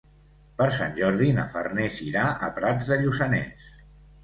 Per Sant Jordi na Farners irà a Prats de Lluçanès.